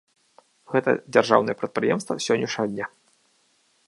Гэта дзяржаўнае прадпрыемства з сённяшняга дня.